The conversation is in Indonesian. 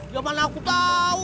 ya mana aku tau